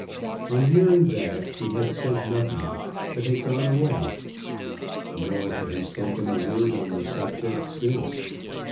On hearing that he had said nothing, but had gone away. Nor had he spoken a word on the subject since.